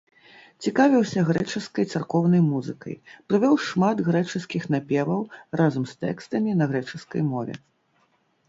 Цікавіўся грэчаскай царкоўнай музыкай, прывёў шмат грэчаскіх напеваў разам з тэкстамі на грэчаскай мове.